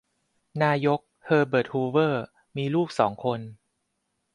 นายก เฮอเบิร์ต ฮูเวอร์ มีลูกสองคน